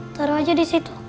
taruh aja disitu